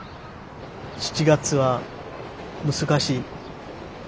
７月は難しい。